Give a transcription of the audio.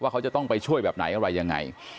เขาจะต้องไปช่วยแบบไหนอะไรยังไง